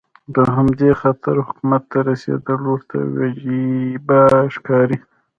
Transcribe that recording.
په همدې خاطر حکومت ته رسېدل ورته وجیبه ښکاري.